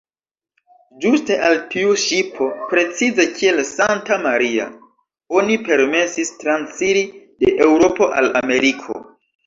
Ĝuste al tiu ŝipo, precize kiel "Santa-Maria", oni permesis transiri de Eŭropo al Ameriko.